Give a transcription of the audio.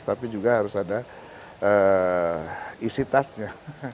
tapi juga harus ada isi tasnya